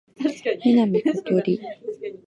南ことり